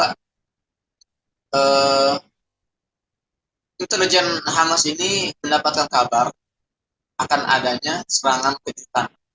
hai eh hai intelijen hamas ini mendapatkan kabar akan adanya serangan kejutan